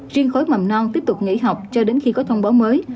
riêng khối mầm non tiếp tục nghỉ học cho đến khi có thông báo mới